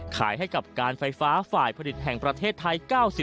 ขายให้กับการไฟฟ้าฝ่ายผลิตแห่งประเทศไทย๙๐